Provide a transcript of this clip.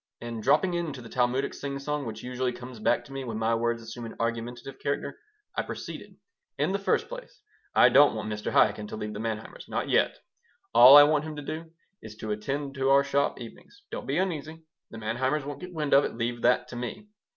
And dropping into the Talmudic singsong, which usually comes back to me when my words assume an argumentative character, I proceeded "In the first place, I don't want Mr. Chaikin to leave the Manheimers not yet. All I want him to do is to attend to our shop evenings. Don't be uneasy: the Manheimers won't get wind of it. Leave that to me.